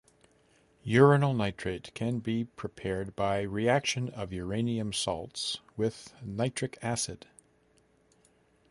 Uranyl nitrate can be prepared by reaction of uranium salts with nitric acid.